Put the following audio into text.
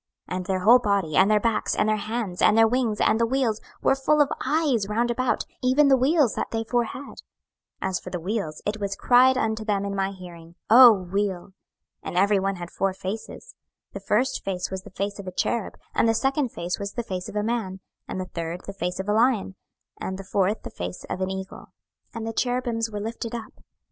26:010:012 And their whole body, and their backs, and their hands, and their wings, and the wheels, were full of eyes round about, even the wheels that they four had. 26:010:013 As for the wheels, it was cried unto them in my hearing, O wheel. 26:010:014 And every one had four faces: the first face was the face of a cherub, and the second face was the face of a man, and the third the face of a lion, and the fourth the face of an eagle. 26:010:015 And the cherubims were lifted up.